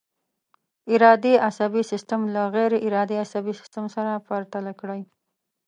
ارادي عصبي سیستم له غیر ارادي عصبي سیستم سره پرتله کړئ.